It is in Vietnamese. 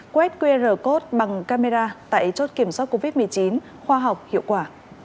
quét qr code bằng camera tại chốt kiểm soát covid một mươi chín khoa học hiệu quả